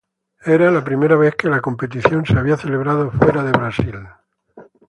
Era la primera vez que la competición se había celebrado fuera de Brasil.